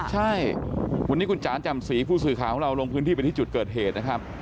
ใช่วันนี้คุณจ๋าจำศรีผู้สื่อข่าวของเราลงพื้นที่ไปที่จุดเกิดเหตุนะครับ